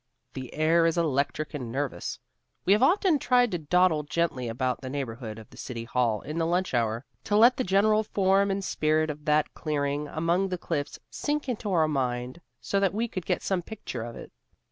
The air is electric and nervous. We have often tried to dawdle gently about the neighbourhood of the City Hall in the lunch hour, to let the general form and spirit of that clearing among the cliffs sink into our mind, so that we could get some picture of it.